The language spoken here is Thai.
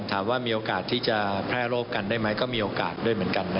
ถามว่ามีโอกาสที่จะแพร่โรคกันได้ไหมก็มีโอกาสด้วยเหมือนกัน